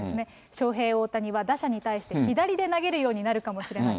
ショウヘイ・オオタニは打者に対して、左で投げるようになるかもしれない。